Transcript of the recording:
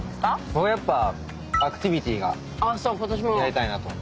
僕はやっぱアクティビティがやりたいなと。